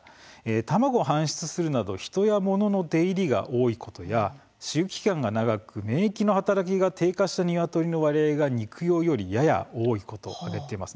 卵を搬出するなど人や物の出入りが多いことや飼育期間が長く免疫の働きが低下したニワトリの割合が肉用よりやや多いことを言っています。